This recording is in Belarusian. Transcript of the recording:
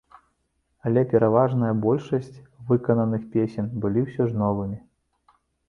Але пераважная большаць выкананых песень былі ўсё ж новымі.